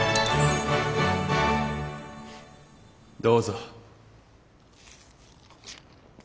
どうぞ。